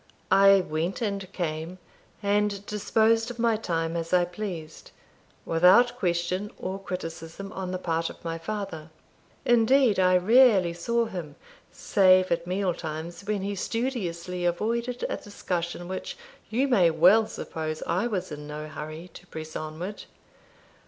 I went and came, and disposed of my time as I pleased, without question or criticism on the part of my father. Indeed, I rarely saw him, save at meal times, when he studiously avoided a discussion which you may well suppose I was in no hurry to press onward.